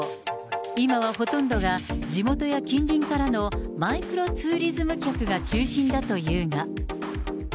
今はほとんどが、地元や近隣からのマイクロツーリズム客が中心だというが。